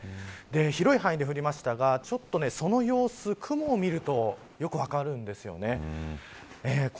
広い範囲で降りましたがちょっと、その様子雲を見るとよく分かるんです。